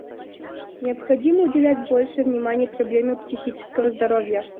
Необходимо уделять больше внимания проблеме психического здоровья.